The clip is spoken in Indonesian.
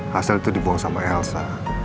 hasil itu dibuang sama elsa